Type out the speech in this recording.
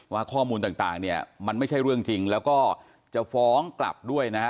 ข้อมูลต่างเนี่ยมันไม่ใช่เรื่องจริงแล้วก็จะฟ้องกลับด้วยนะฮะ